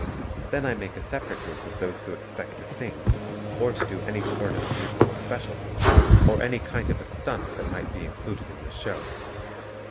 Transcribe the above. Then I make a separate group of those who expect to sing, or to do any sort of a musical specialty, or any kind of a "stunt" that might be included in the show.